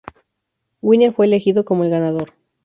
Wiener fue elegido como el ganador.